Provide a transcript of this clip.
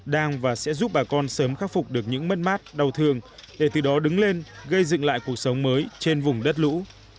đang và sẽ giúp bà con sớm khắc phục được những mất mát đau thương để từ đó đứng lên gây dựng lại cuộc sống mới trên vùng đất lũ